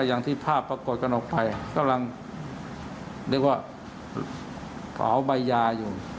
แล้วอย่างที่ภาพปรากฏกันออกไปเรียกว่าเผาใบยาอยู่